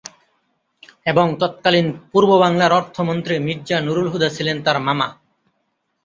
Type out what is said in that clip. এবং তৎকালীন পূর্ব বাংলার অর্থমন্ত্রী মির্জা নূরুল হুদা ছিলেন তার মামা।